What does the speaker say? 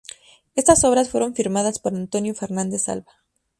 Estas obras fueron firmadas por Antonio Fernández Alba.